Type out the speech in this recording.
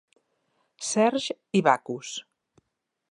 Serge i Bacchus.